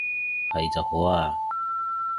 係就好啊